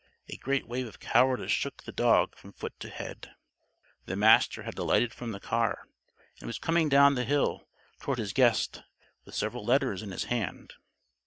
A great wave of cowardice shook the dog from foot to head. The Master had alighted from the car; and was coming down the hill, toward his guest, with several letters in his hand.